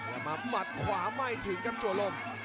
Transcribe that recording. อยากมาหมัดขวาไม่ถิ่งกับชัวรม